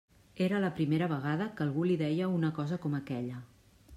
Era la primera vegada que algú li deia una cosa com aquella.